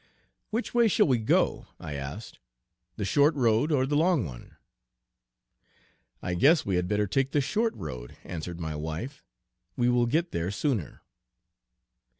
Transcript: "Which way shall we go," I asked, "the short road or the long one?" "I guess we had better take the short road," answered my wife. "We will get there sooner."